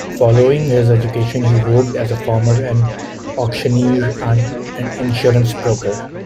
Following his education he worked as a farmer, an auctioneer and an insurance broker.